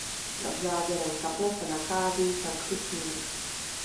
Nad závěrem kaple se nachází sanktusník.